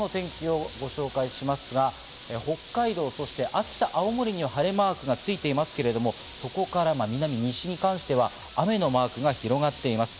そして今日のお天気をご紹介しますが、北海道、そして秋田、青森には晴れマークがついていますけれども、そこから南、西に関しては雨のマークが広がっています。